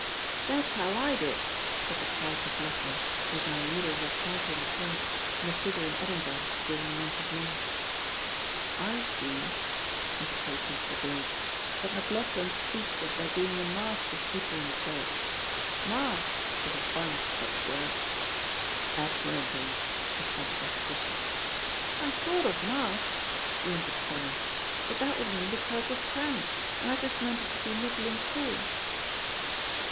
"That's how I did," said the proud McLauchlan, who is now leader of a party in the church, and a figure in Edinburgh during the month of May. "I see," interposed Mr. Gloag, "that McLauchlan speaks of there being a mask of people in the church. Mask is a fine Scotch word." "Admirable," assented Mr. Dishart. "I thought of mask," whimpered Tommy, "but that would mean the kirk was crammed, and I just meant it to be middling full."